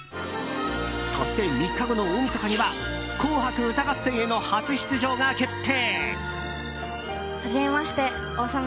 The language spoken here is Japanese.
そして３日後の大みそかには「紅白歌合戦」への初出場が決定。